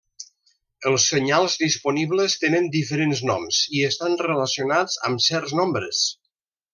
Els senyals disponibles tenen diferents noms i estan relacionats amb certs nombres.